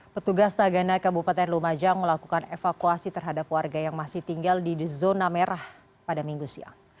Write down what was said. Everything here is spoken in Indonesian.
petugas tagana kabupaten lumajang melakukan evakuasi terhadap warga yang masih tinggal di zona merah pada minggu siang